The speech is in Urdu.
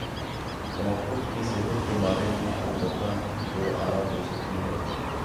موقف کی صحت کے بارے میں البتہ دو آرا ہو سکتی ہیں۔